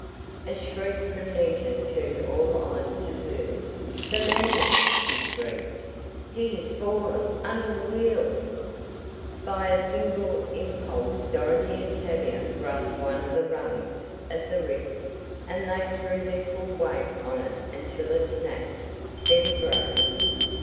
A shriek from Nita turned all eyes to her. "The man!" she screamed. "He has fallen under the wheels!" By a single impulse Dorothy and Tavia grasped one of the rungs of the rick, and they threw their full weight on it until it snapped then broke!